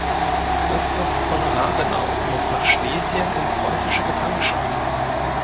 Christoph von Rabenau muss nach Schlesien in preußische Gefangenschaft.